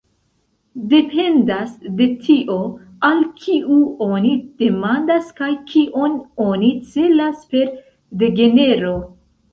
Dependas de tio, al kiu oni demandas kaj kion oni celas per "degenero".